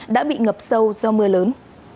đã bị ngập sâu do mưa lớn